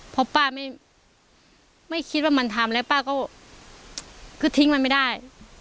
เพราะป้าไม่คิดว่ามันทำแล้วป้าก็คือทิ้งมันไม่ได้